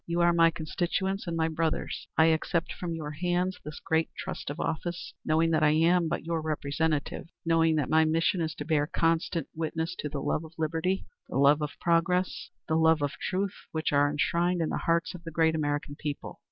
You are my constituents and my brothers. I accept from your hands this great trust of office, knowing that I am but your representative, knowing that my mission is to bear constant witness to the love of liberty, the love of progress, the love of truth which are enshrined in the hearts of the great American people.